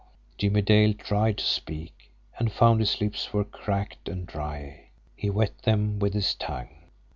Jimmie Dale tried to speak, and found his lips were cracked and dry. He wet them with his tongue.